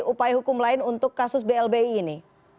upaya hukum lain untuk kasus blbi ini